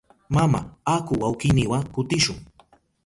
Mama, aku wawkiyniwa kutishun.